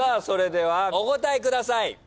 それではお答えください。